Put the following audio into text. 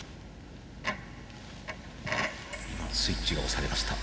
今スイッチが押されました。